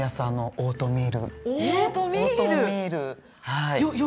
オートミールはい。